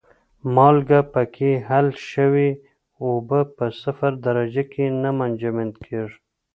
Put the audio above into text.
مالګه پکې حل شوې اوبه په صفر درجه کې نه منجمد کیږي.